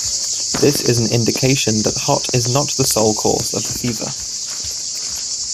This is an indication that hot is not the sole cause of the fever.